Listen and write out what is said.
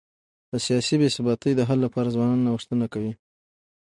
د سیاسي بي ثباتی د حل لپاره ځوانان نوښتونه کوي.